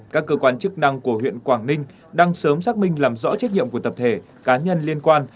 các cơ quan chức năng của huyện quảng ninh đang sớm xác minh làm rõ trách nhiệm của tập thể cá nhân liên quan